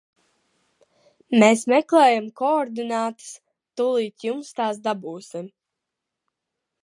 Mēs meklējam koordinātas, tūlīt jums tās dabūsim.